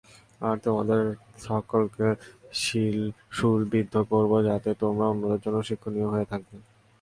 আর তোমাদের সকলকে শূলবিদ্ধ করব যাতে তোমরা অন্যদের জন্যে শিক্ষণীয় হয়ে থাকবে।